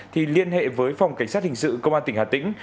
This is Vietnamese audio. thì liên hệ với phòng cảnh sát hình sự công an tỉnh hà tĩnh